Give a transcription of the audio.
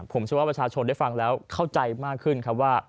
ผมเชื่อว่าประชาชนได้ฟังแล้วเข้าใจมากขึ้นครับว่า